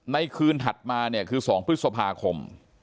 ในคืนถัดมาเนี่ยคือ๒พฤษภาคม